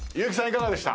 いかがでした？